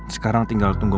sekarang tinggal tunggu